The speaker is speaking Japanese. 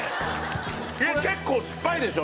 結構すっぱいでしょ？